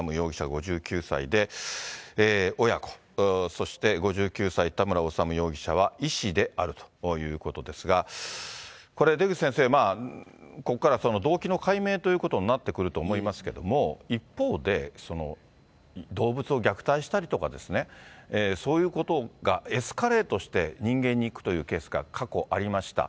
５９歳で、親子、そして、５９歳、田村修容疑者は、医師であるということですが、これ、出口先生、ここから動機の解明ということになってくると思いますけども、一方で、動物を虐待したりとかですね、そういうことがエスカレートして、人間にいくというケースが過去ありました。